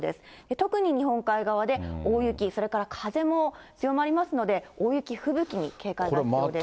特に日本海側で大雪、それから風も強まりますので、大雪、吹雪に警戒が必要です。